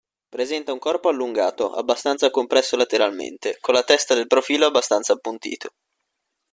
Presenta un corpo allungato, abbastanza compresso lateralmente, con la testa dal profilo abbastanza appuntito.